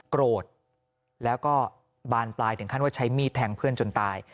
โกรธแล้วก็บานปลายถึงขั้นว่าใช้มีดแทงเพื่อนจนตาย